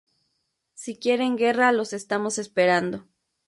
Si quieren guerra los estamos esperando".